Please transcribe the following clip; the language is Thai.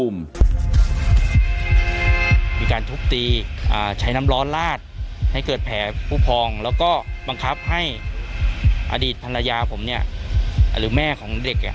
มีการทุบตีใช้น้ำร้อนลาดให้เกิดแผลผู้พองแล้วก็บังคับให้อดีตภรรยาผมเนี่ยหรือแม่ของเด็ก